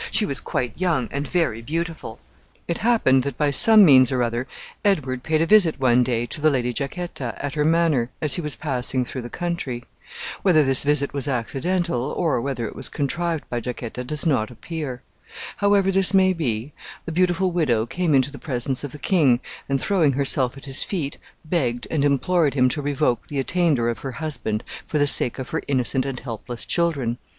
She was quite young, and very beautiful. It happened that by some means or other Edward paid a visit one day to the Lady Jacquetta, at her manor, as he was passing through the country. Whether this visit was accidental, or whether it was contrived by Jacquetta, does not appear. However this may be, the beautiful widow came into the presence of the king, and, throwing herself at his feet, begged and implored him to revoke the attainder of her husband for the sake of her innocent and helpless children.